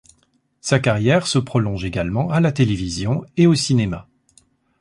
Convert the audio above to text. Sa carrière se prolonge également à la télévision et au cinéma.